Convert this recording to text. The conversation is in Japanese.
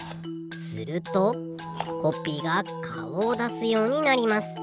するとコッピーがかおをだすようになります。